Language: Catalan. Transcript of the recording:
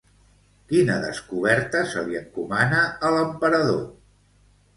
Quina descoberta se li encomana a l'emperador?